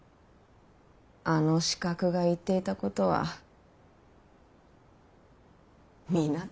あの刺客が言っていたことは皆正しい。